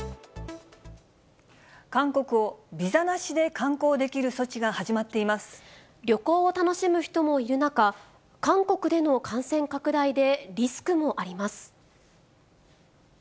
韓国をビザなしで観光できる旅行を楽しむ人もいる中、韓国での感染拡大でリスクもあります。